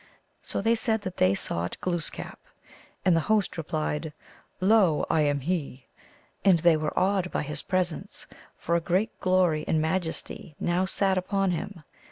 So they said that they sought Glooskap. And the host replied, " Lo, I am he !" And they were awed by his presence, for a great glory and majesty now sat upon him.